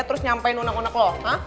terus nyampein unek unek lokal